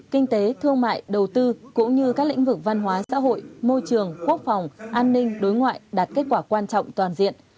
kinh tế thương mại đầu tư cũng như các lĩnh vực văn hóa xã hội môi trường quốc phòng an ninh đối ngoại đạt kết quả quan trọng toàn diện